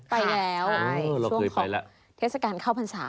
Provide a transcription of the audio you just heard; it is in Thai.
ไปแล้วช่วงของเทศกาลเข้าพรรษา